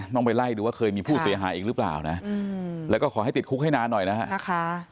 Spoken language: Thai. ต้องไปไล่ดูว่าเคยมีผู้เสียหายอีกหรือเปล่านะแล้วก็ขอให้ติดคุกให้นานหน่อยนะฮะ